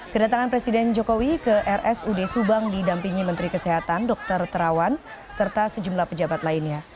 kedatangan presiden jokowi ke rsud subang didampingi menteri kesehatan dr terawan serta sejumlah pejabat lainnya